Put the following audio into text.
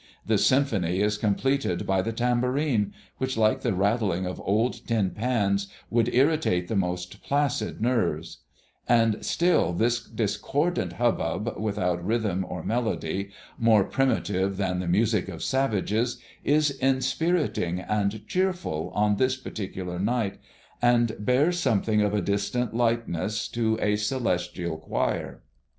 The symphony is completed by the tambourine, which, like the rattling of old tin pans, would irritate the most placid nerves; and still this discordant hubbub without rhythm or melody, more primitive than the music of savages, is inspiriting and cheerful on this particular night, and bears something of a distant likeness to a celestial choir.